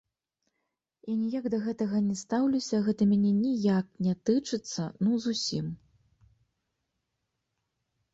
Я ніяк да гэтага не стаўлюся, гэта мяне ніяк не тычыцца, ну, зусім.